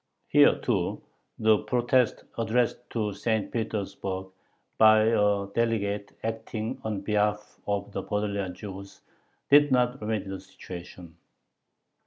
Here, too, the protest addressed to St. Petersburg by a delegate acting on behalf of the Podolian Jews did not remedy the situation.